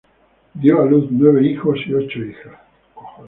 Dio a luz nueve hijos y ocho hijas.